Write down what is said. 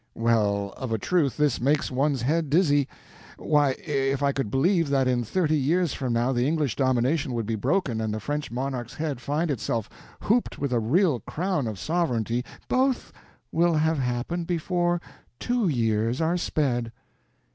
"Well, of a truth this makes one's head dizzy. Why, if I could believe that in thirty years from now the English domination would be broken and the French monarch's head find itself hooped with a real crown of sovereignty—" "Both will have happened before two years are sped."